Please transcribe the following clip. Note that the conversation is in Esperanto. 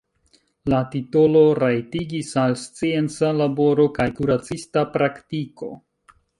La titolo rajtigis al scienca laboro kaj kuracista praktiko.